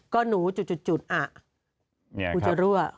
ก็หนูอ่ะหู้จรั่ว